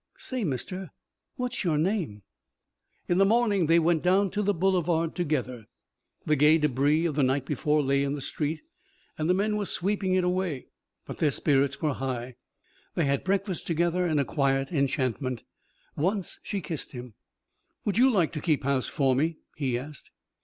"Say, mister, what's your name?" In the morning they went down to the boulevard together. The gay débris of the night before lay in the street, and men were sweeping it away. But their spirits were high. They had breakfast together in a quiet enchantment. Once she kissed him. "Would you like to keep house for me?" he asked.